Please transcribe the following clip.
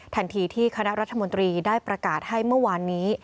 ทันทีที่คณะรัฐมนตรีได้ประกาศให้เมื่อวานนี้